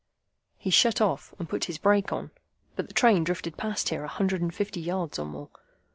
He shut off, and put his brake on, but the train drifted past here a hundred and fifty yards or more.